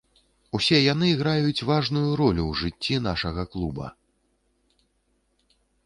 Усе яны граюць важную ролю ў жыцці нашага клуба.